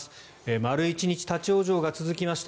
丸１日立ち往生が続きました